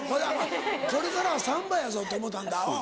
これからはサンバやぞと思うたんだ。